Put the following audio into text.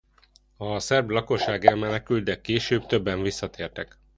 A szerb lakosság elmenekült de később többen visszatértek.